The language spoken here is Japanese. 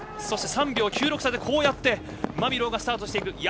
そして３秒９６差でマビローがスタートしていく。